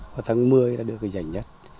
và tháng một mươi là được cái giải nhất